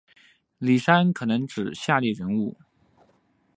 李珊可能指下列人物